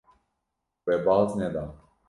We baz neda.